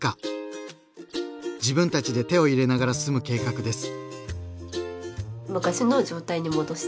自分たちで手を入れながら住む計画です。